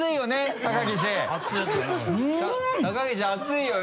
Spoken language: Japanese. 高岸熱いよな？